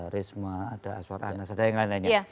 risma ada aswar anas ada yang lain lainnya